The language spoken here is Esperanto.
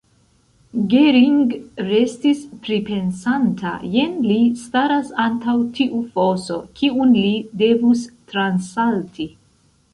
Gering restis pripensanta: jen li staras antaŭ tiu foso, kiun li devus transsalti!